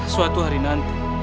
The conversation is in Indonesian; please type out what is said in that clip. suatu hari nanti